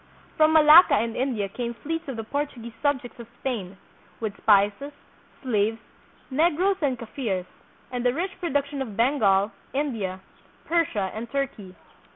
From Malacca and India came fleets of the Portuguese subjects of Spain, with spices, slaves, Negroes and Kafirs, and the rich productions of Bengal, India, Persia, and Turkey.